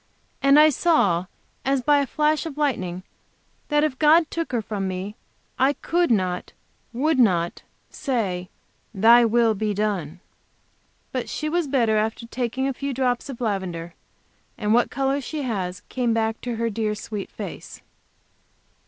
And I saw, as by a flash of lightning, that if God took her from me, I could not, should not say: Thy will be done. But she was better after taking a few drops of lavender, and what color she has came back to her dear sweet face.